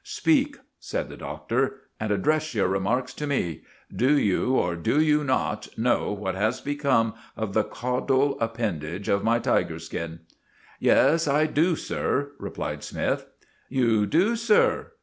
"Speak," said the Doctor, "and address your remarks to me. Do you, or do you not know what has become of the caudal appendage of my tiger skin?" "Yes, I do, sir," replied Smythe. "You do, sir!